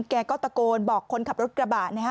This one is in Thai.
แกก็ตะโกนบอกคนขับรถกระบะนะฮะ